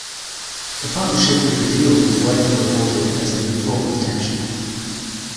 The partnership with Baddiel was widely reported as being fraught with tension.